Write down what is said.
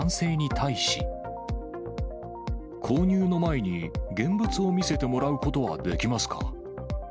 購入の前に現物を見せてもらうことはできますか？